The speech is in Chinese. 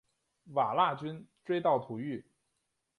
瓦剌军追到土域。